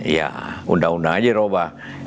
ya undang undang aja diubah